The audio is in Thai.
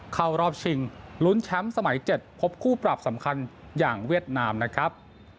เข้ารอบชิงลุ้นแชมป์สมัย๗พบคู่ปรับสำคัญอย่างเวียดนามนะครับ